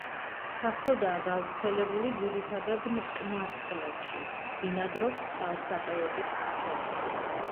ფართოდაა გავრცელებული ძირითადად მტკნარ წყლებში, ბინადრობს წყალსატევების ფსკერზე.